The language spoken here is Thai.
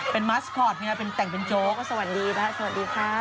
เป็นตังกเป็นโต้กสวัสดีครับ